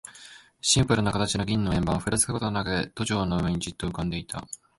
シンプルな形の銀の円盤、ふらつくこともなく、都庁の上にじっと浮んでいた。